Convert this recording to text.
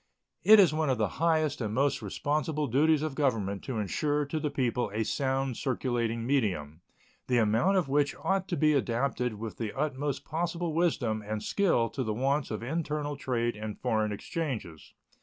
It is one of the highest and most responsible duties of Government to insure to the people a sound circulating medium, the amount of which ought to be adapted with the utmost possible wisdom and skill to the wants of internal trade and foreign exchanges.